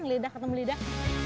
lidah ketemu lidah